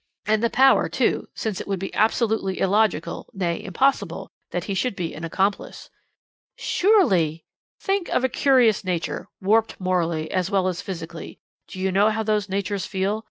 and the power too since it would be absolutely illogical, nay, impossible, that he should be an accomplice." "Surely " "Think of a curious nature, warped morally, as well as physically do you know how those natures feel?